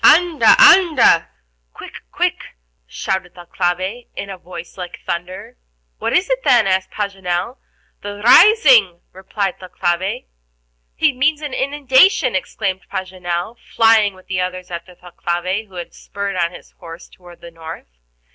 "Anda, anda!" (quick, quick), shouted Thalcave, in a voice like thunder. "What is it, then?" asked Paganel. "The rising," replied Thalcave. "He means an inundation," exclaimed Paganel, flying with the others after Thalcave, who had spurred on his horse toward the north.